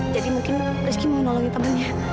jadi mungkin rizky mau menolong temannya